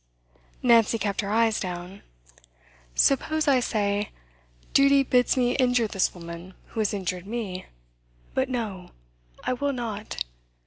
Nancy kept her eyes down. 'Suppose I say: Duty bids me injure this woman who has injured me; but no, I will not!